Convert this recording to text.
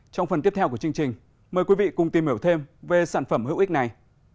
trong phần tiếp theo của chương trình mời quý vị cùng tìm hiểu thêm về sản phẩm hữu ích này